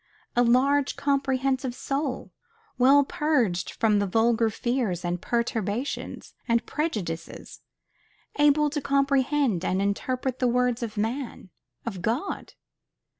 A large, comprehensive soul, well purged from vulgar fears and perturbations and prejudices; able to comprehend and interpret the works of man of God.